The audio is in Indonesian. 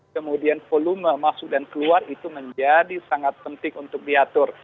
kemudian volume masuk dan keluar itu menjadi sangat penting untuk diatur